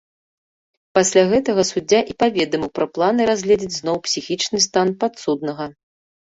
Пасля гэтага суддзя і паведаміў пра планы разгледзець зноў псіхічны стан падсуднага.